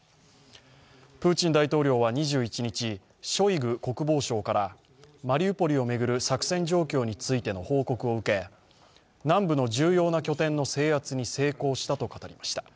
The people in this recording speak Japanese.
プーチン大統領は２１日、ショイグ国防相からマリウポリを巡る作戦状況についての報告を受け、南部の重要な拠点の制圧に成功したと語りました。